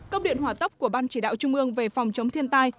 công điện hỏa tốc của ban chỉ đạo trung ương về phòng chống thiên tai